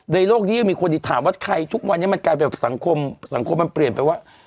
โลกนี้ยังมีคนที่ถามว่าใครทุกวันนี้มันกลายเป็นสังคมสังคมมันเปลี่ยนไปว่า